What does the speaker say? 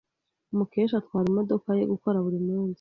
Mukesha atwara imodoka ye gukora buri munsi.